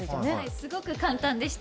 すごく簡単でした。